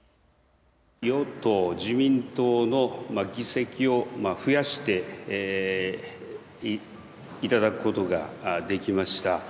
与党自民党の議席を増やしていただくことができました。